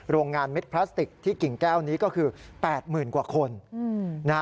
โรงงานเม็ดพลาสติกที่กิ่งแก้วนี้ก็คือ๘๐๐๐กว่าคนนะฮะ